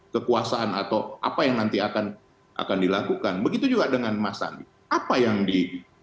kekuasaan atau apa yang nanti akan akan dilakukan begitu juga dengan mas sandi apa yang di